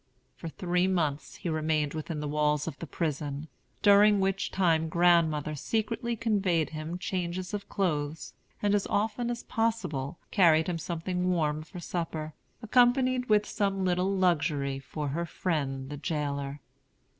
For three months he remained within the walls of the prison, during which time grandmother secretly conveyed him changes of clothes, and as often as possible carried him something warm for supper, accompanied with some little luxury for her friend the jailer.